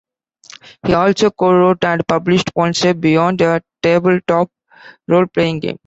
He also co-wrote and published "One Step Beyond", a tabletop role-playing game.